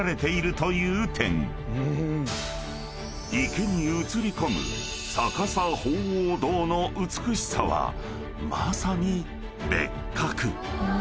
［池に映り込む逆さ鳳凰堂の美しさはまさに別格］